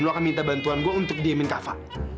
dan lo akan minta bantuan gue untuk diemin kava